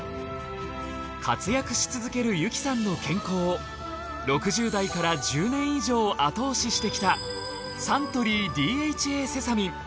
活躍し続ける由紀さんの健康を６０代から１０年以上後押ししてきたサントリーＤＨＡセサミン。